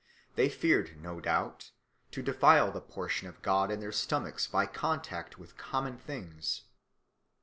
They feared no doubt to defile the portion of God in their stomachs by contact with common things.